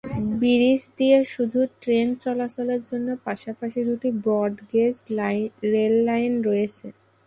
Bridge দিয়ে শুধু train চলাচলের জন্য পাশাপাশি দুটি ব্রডগেজ রেললাইন রয়েছে।